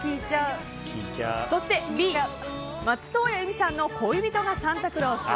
そしてＢ、松任谷由実さんの「恋人がサンタクロース」。